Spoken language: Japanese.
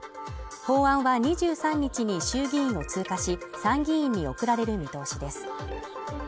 法案は２３日に衆議院を通過し参議院に送られる見通しです。